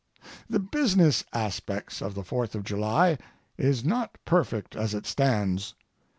The business aspects of the Fourth of July is not perfect as it stands.